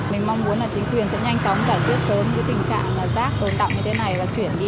mình mong muốn là chính quyền sẽ nhanh chóng giải quyết sớm cái tình trạng là rác tồn cọng như thế này và chuyển đi